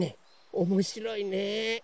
おもしろいね。